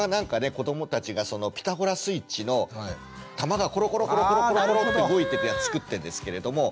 子どもたちがそのピタゴラスイッチの玉がコロコロコロコロコロコロって動いていくやつ作ってるんですけれども。